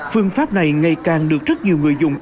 phương pháp này ngày càng được rất nhiều người đánh giá